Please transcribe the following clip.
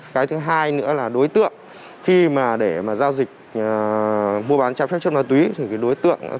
cái thứ hai nữa là đối tượng khi mà để mà giao dịch mua bán trái phép chất ma túy thì đối tượng